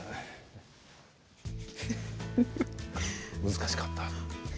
難しかった？